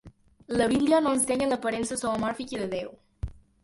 La Bíblia no ensenya l'aparença zoomòrfica de Déu.